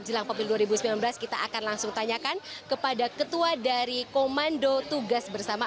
jelang pemilu dua ribu sembilan belas kita akan langsung tanyakan kepada ketua dari komando tugas bersama